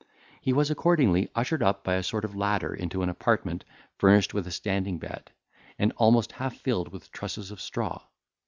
He was accordingly ushered up by a sort of ladder into an apartment furnished with a standing bed, and almost half filled with trusses of straw.